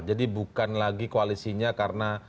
jadi bukan lagi koalisinya karena